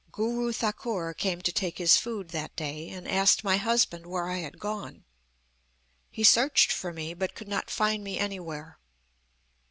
"Guru Thakur came to take his food that day, and asked my husband where I had gone. He searched for me, but could not find me anywhere.